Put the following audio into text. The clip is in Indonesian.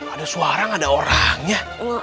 ada suara ada orangnya